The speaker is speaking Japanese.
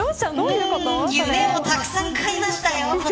夢をたくさん買いましたよ